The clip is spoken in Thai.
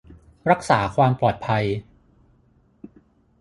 รักษาความปลอดภัย